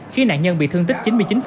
khi nạn nhân bị thương tích chín mươi chín